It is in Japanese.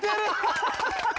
ハハハハ！